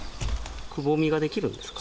くぼみが出来るんですか？